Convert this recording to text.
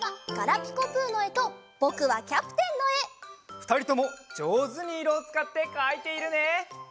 ふたりともじょうずにいろをつかってかいているね！